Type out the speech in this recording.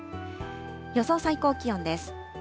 予想最高気温です。